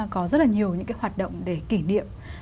có rất là nhiều những cái hoạt động để kỷ niệm